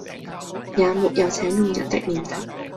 也沒有請佣人的念頭